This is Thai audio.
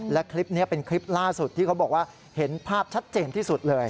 และคลิปนี้เป็นคลิปล่าสุดที่เขาบอกว่าเห็นภาพชัดเจนที่สุดเลย